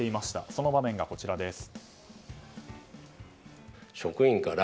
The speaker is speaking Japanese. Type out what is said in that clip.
その場面がこちらです。